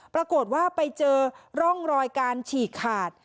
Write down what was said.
ปรากฏว่าไปเจอร่องรอยการฉีกขาด